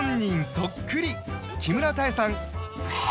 そっくり木村多江さん